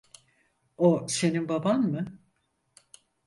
O senin baban mı?